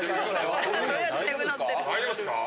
・大丈夫ですか？